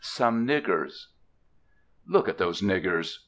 XIV SOME NIGGERS "_Look at those niggers!